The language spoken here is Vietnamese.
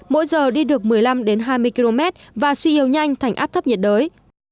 mỗi giờ đi được một mươi năm hai mươi km và suy yếu nhanh thành áp thấp nhiệt đới